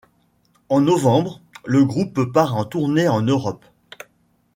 En novembre, le groupe part en tournée en Europe.